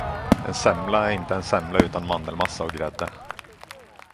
En semla är inte en semla utan mandelmassa och grädde.